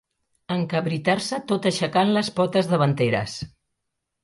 Encabritar-se tot aixecant les potes davanteres.